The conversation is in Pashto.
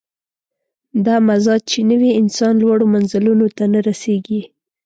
دا مزاج چې نه وي، انسان لوړو منزلونو ته نه رسېږي.